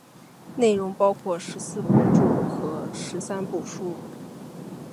内容包括十四部注和十三部疏。